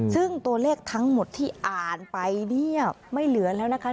ซึ่งตัวเลขทั้งหมดที่อ่านไปเนี่ยไม่เหลือแล้วนะคะ